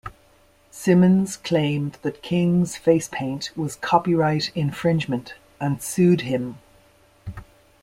Simmons claimed that King's face paint was copyright infringement and sued him.